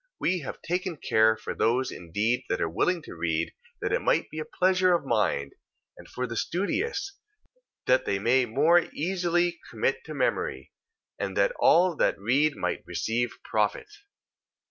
We have taken care for those indeed that are willing to read, that it might be a pleasure of mind: and for the studious, that they may more easily commit to memory: and that all that read might receive profit.